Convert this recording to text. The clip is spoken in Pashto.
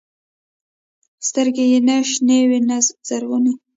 سترګې يې نه شنې وې نه زرغونې.